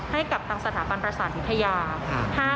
ให้กับทางสถาบันประสานวิทยา